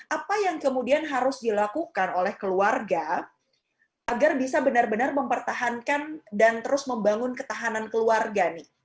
apa yang kemudian harus dilakukan oleh keluarga agar bisa benar benar mempertahankan dan terus membangun ketahanan keluarga nih